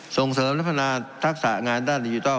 ส่งเสริมและพัฒนาทักษะงานด้านดิจิทัล